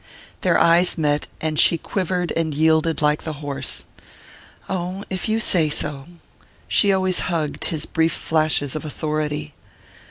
Their eyes met, and she quivered and yielded like the horse. "Oh, if you say so " She always hugged his brief flashes of authority.